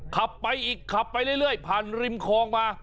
ขับไปอีกขับไปเรื่อยผ่านริมคลองมา